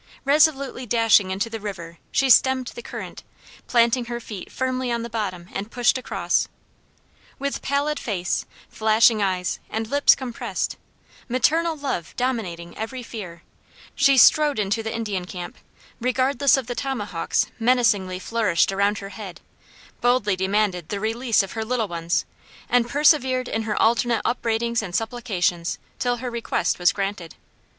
Resolutely dashing into the river, she stemmed the current, planting her feet firmly on the bottom and pushed across. With pallid face, flashing eyes, and lips compressed, maternal love dominating every fear, she strode into the Indian camp, regardless of the tomahawks menacingly flourished round her head, boldly demanded the release of her little ones, and persevered in her alternate upbraidings and supplications, till her request was granted.